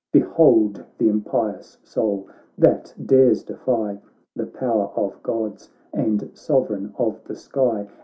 Behold the impious soul, that dares defy The power of Gods and Sovereign of the sky